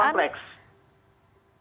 yang super kompleks